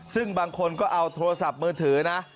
ซึ่งบางคนก็เอาโทรศัพท์มือถือนะ